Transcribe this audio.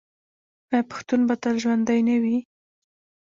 آیا پښتون به تل ژوندی نه وي؟